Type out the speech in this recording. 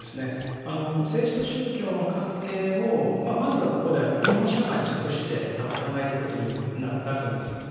政治と宗教の関係をまあまずここでは日本社会に即して多分考えていくことになると思います。